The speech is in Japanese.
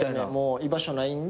居場所ないんで。